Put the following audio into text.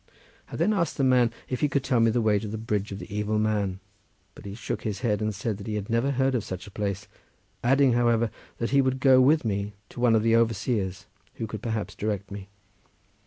I then asked the man if he could tell me the way to the bridge of the evil man, but he shook his head and said that he had never heard of such a place, adding, however, that he would go with me to one of the overseers, who could perhaps direct me.